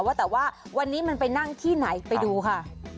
ว่าแต่ว่าวันนี้มันไปนั่งที่ไหนไปดูค่ะ